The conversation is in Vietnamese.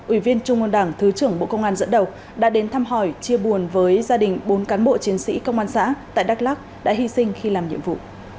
ủy viên trung ương đảng thứ trưởng bộ công an dẫn đầu đã đến thăm hỏi chia buồn với gia đình bốn cán bộ chiến sĩ công an xã tại đắk lắc đã hy sinh khi làm nhiệm vụ